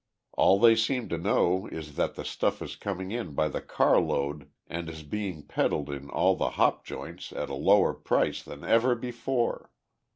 All they seem to know is that the stuff is coming in by the carload and is being peddled in all the hop joints at a lower price than ever before.